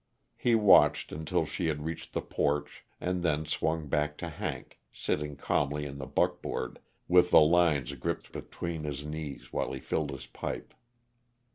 He watched until she had reached the porch, and then swung back to Hank, sitting calmly in the buckboard, with the lines gripped between his knees while he filled his pipe.